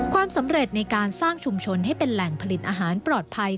ความสำเร็จในการสร้างชุมชนให้เป็นแหล่งผลิตอาหารปลอดภัย